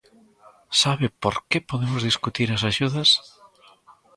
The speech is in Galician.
¿Sabe por que podemos discutir as axudas?